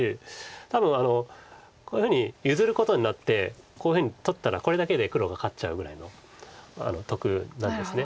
多分こういうふうに譲ることになってこういうふうに取ったらこれだけで黒が勝っちゃうぐらいの得なんです。